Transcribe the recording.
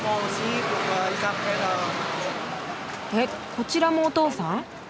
えっこちらもお父さん？